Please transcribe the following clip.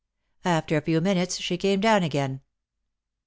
After a few minutes she came down again.